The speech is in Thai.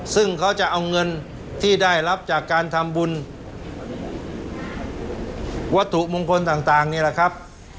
ซึ่งเขาจะเอาเงินที่ได้รับจากการทำบุญวัตถุมงคลต่างนี่แหละครับ